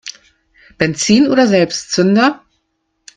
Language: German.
Benzin oder Selbstzünder?